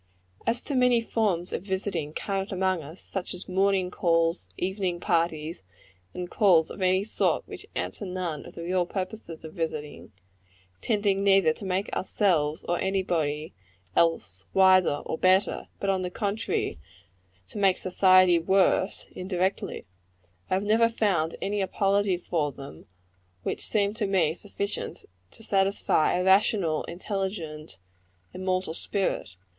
As to many forms of visiting current among us such as morning calls, evening parties, and calls of any sort which answer none of the real purposes of visiting tending neither to make ourselves or any body else wiser or better, but, on the contrary, to make society worse, indirectly I have never found any apology for them which seemed to me sufficient to satisfy a rational, intelligent, immortal spirit.